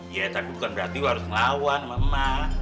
iya tapi bukan berarti harus ngelawan sama mak